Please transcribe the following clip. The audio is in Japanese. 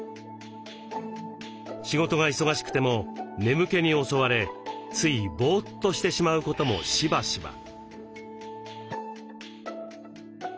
仕事が忙しくても眠気に襲われついボーッとしてしまうこともしばしば。